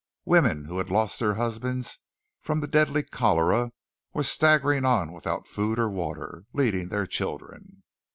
Women who had lost their husbands from the deadly cholera were staggering on without food or water, leading their children.